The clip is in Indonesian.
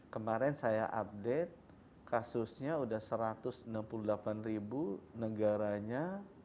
kemarin saya update kasusnya udah satu ratus enam puluh delapan ribu negaranya satu ratus sembilan belas